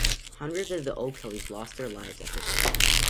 Hundreds of the O'Kellys lost their lives at this battle.